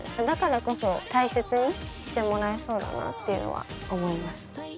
だからこそ大切にしてもらえそうだなっていうのは思います。